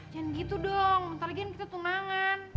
jangan gitu dong ntar lagi kan kita tunangan